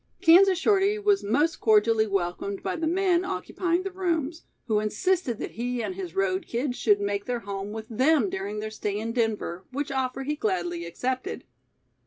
Kansas Shorty was most cordially welcomed by the men occupying the rooms, who insisted that he and his road kid should make their home with them during their stay in Denver, which offer he gladly accepted.